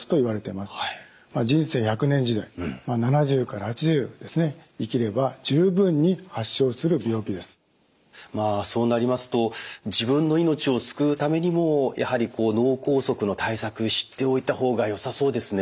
まあそうなりますと自分の命を救うためにもやはり脳梗塞の対策知っておいた方がよさそうですね。